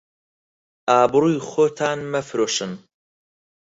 ئابڕووی خۆتان مەفرۆشن